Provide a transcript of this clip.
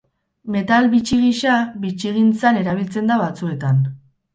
Metal bitxi gisa, bitxigintzan erabiltzen da batzuetan.